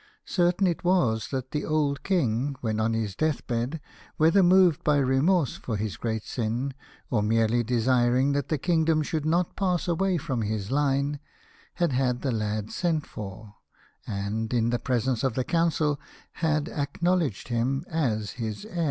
Certain it was that the old King, when on his death bed, whether moved by remorse for his great sin, or merely desiring that the kingdom should not pass away from his line, had had the lad sent for, and, in the presence of the Council, had acknowledged him as his heir.